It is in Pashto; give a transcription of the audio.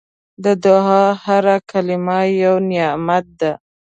د دعا هره کلمه یو نعمت ده.